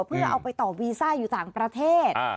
เพื่อเอาไปต่อวีซ่าอยู่ต่างประเทศ